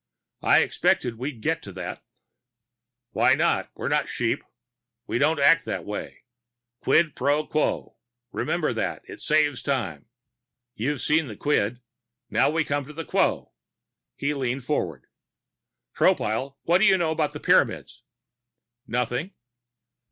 "I expected we'd be getting to that." "Why not? We're not sheep. We don't act that way. Quid pro quo. Remember that it saves time. You've seen the quid. Now we come to the quo." He leaned forward. "Tropile, what do you know about the Pyramids?" "Nothing."